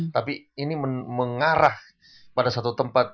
tapi ini mengarah pada satu tempat